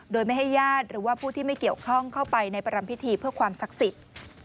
โดยไม่ให้ญาติหรือว่าผู้ที่ไม่เกี่ยวข้องเข้าไปในประรำพิธีเพื่อความศักดิ์สิทธิ์